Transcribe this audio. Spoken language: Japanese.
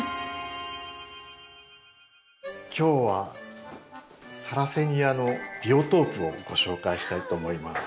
今日はサラセニアのビオトープをご紹介したいと思います。